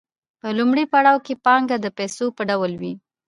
په لومړي پړاو کې پانګه د پیسو په ډول وي